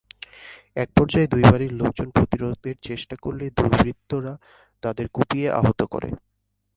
একপর্যায়ে দুই বাড়ির লোকজন প্রতিরোধের চেষ্টা করলে দুর্বৃত্তরা তাঁদের কুপিয়ে আহত করে।